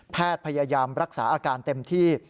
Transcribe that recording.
พยายามรักษาอาการเต็มที่